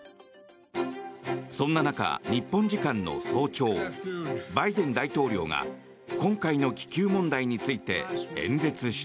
そんな中、日本時間の早朝バイデン大統領が今回の気球問題について演説した。